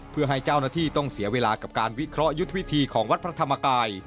เพื่อให้เจ้าหน้าที่ต้องเสียเวลากับการวิเคราะห์ยุทธวิธีของวัดพระธรรมกาย